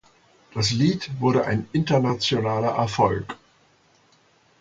Das Lied wurde ein internationaler Erfolg.